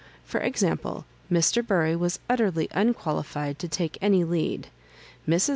For example, Mr. Bury was utterly unqualified to take any lead. Mrs.